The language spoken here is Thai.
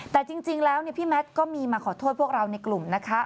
แต่จริงแล้วพี่แมทก็มีมาขอโทษพวกเราในกลุ่มนะคะ